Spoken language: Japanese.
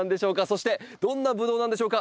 そしてどんなブドウなんでしょうか？